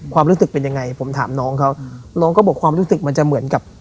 ความรู้สึกเป็นยังไงผมถามน้องเขาน้องก็บอกความรู้สึกมันจะเหมือนกับ